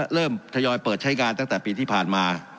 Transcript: ทยอยเปิดใช้งานตั้งแต่ปีที่ผ่านมา